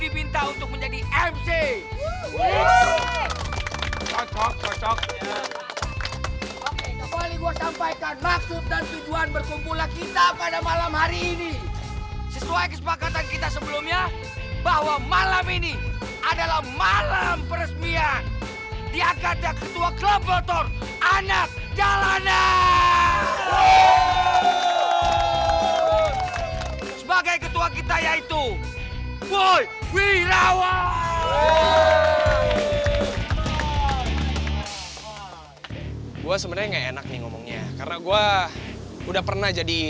ketua club motor anak jalanan